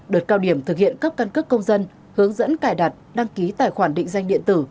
đợt cao điểm thực hiện cấp căn cước công dân hướng dẫn cài đặt đăng ký tài khoản định danh điện tử